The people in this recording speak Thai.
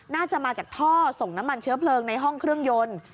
น่าจะมาจากท่อส่งน้ำมันเชื้อเพลิงในห้องเครื่องยนต์